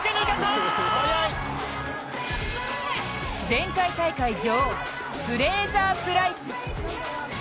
前回大会女王、フレイザー・プライス。